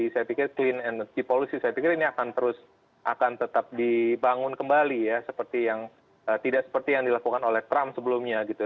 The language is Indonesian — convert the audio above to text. saya pikir clean energy policy saya pikir ini akan terus akan tetap dibangun kembali ya seperti yang tidak seperti yang dilakukan oleh trump sebelumnya gitu